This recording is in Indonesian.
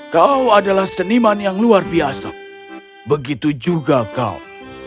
kau adalah seniman yang luar biasa begitu juga kau